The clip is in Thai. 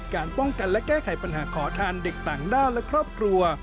การป้องกันและแก้ไขปัญหาขอทานเด็กต่างด้าวและครอบครัว